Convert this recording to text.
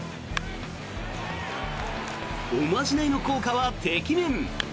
おまじないの効果はてきめん。